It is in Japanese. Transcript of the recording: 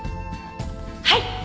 「はい！